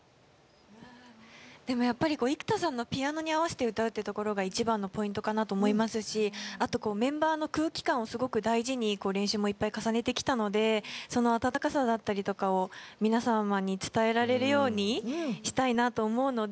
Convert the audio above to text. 生田さんのピアノに合わせて歌うというところが一番のポイントかなと思いますし、あとメンバーの空気感をすごく大事に練習をいっぱい重ねてきたのでその温かさだったりとかを皆様に伝えられるようにしたいなと思うので。